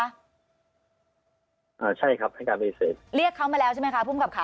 อ่าใช่ครับให้การปฏิเสธเรียกเขามาแล้วใช่ไหมคะภูมิกับค่ะ